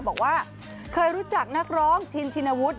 บอกว่าเคยรู้จักนักร้องชินชินวุฒิ